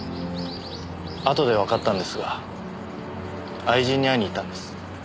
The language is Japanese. あとでわかったんですが愛人に会いにいったんです。